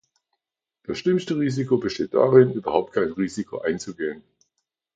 Das schlimmste Risiko besteht darin, überhaupt kein Risiko einzugehen.